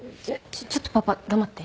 ちょっとパパ黙って。